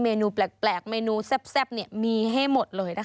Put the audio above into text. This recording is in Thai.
นูแปลกเมนูแซ่บมีให้หมดเลยนะคะ